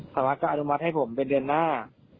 สามารถก็อนุมัติให้ผมเป็นเดือนหน้า